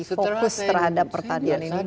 fokus terhadap pertanian ini